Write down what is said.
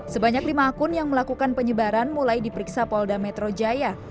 sebanyak lima akun yang melakukan penyebaran mulai diperiksa polda metro jaya